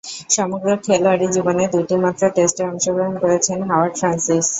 সমগ্র খেলোয়াড়ী জীবনে দুইটিমাত্র টেস্টে অংশগ্রহণ করেছেন হাওয়ার্ড ফ্রান্সিস।